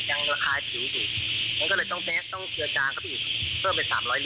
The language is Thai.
อันนี้ไม่ระคาย